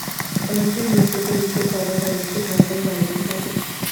The monthly newspaper "Echo" covers holistic health and related topics.